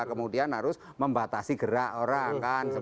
kemudian harus membatasi gerak orang kan